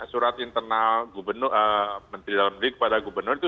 surat internal menteri dalam negeri kepada gubernur itu